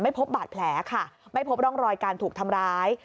พบบาดแผลค่ะไม่พบร่องรอยการถูกทำร้าย